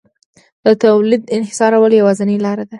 د تولید انحصارول یوازینۍ لار وه